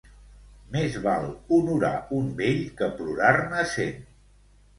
Més val honorar un vell que plorar-ne cent.